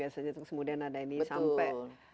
semudian ada ini sampai